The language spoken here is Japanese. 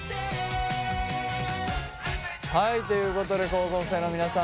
はいということで高校生の皆さん